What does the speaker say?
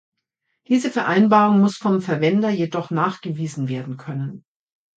Diese Vereinbarung muss vom Verwender jedoch nachgewiesen werden können.